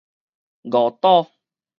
五堵